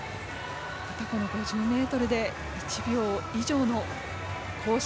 またこの５０ｍで１秒以上の更新。